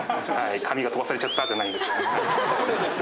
紙が飛ばされちゃったー！じゃないんです。